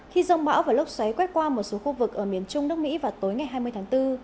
khi rông bão và lốc xoáy quét qua một số khu vực ở miền trung nước mỹ vào tối ngày hai mươi tháng bốn